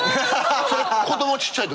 それ子どもちっちゃい時？